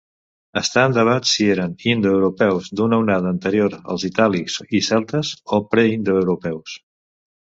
Està en debat si eren indoeuropeus d'una onada anterior als itàlics i celtes, o preindoeuropeus.